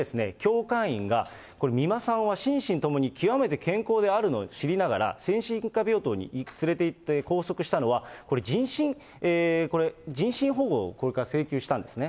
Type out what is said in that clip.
これに、教会員が美馬さんは心身ともに極めて健康であるのを知りながら、精神科病棟に連れて行って拘束したのは、人身保護をこれから請求したんですね。